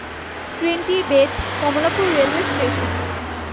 ট্রেনটির base Kamalapur railway station.